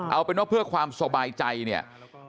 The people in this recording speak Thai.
เอาเป็นว่าเพื่อความสบายใจเนี่ย